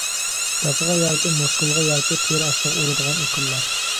كاسىغا ياكى مۇسكۇلغا ياكى تېرە ئاستىغا ئۇرىدىغان ئوكۇللار.